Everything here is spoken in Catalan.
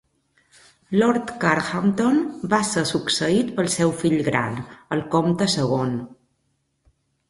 Lord Carhampton va ser succeït pel seu fill gran, el Comte segon.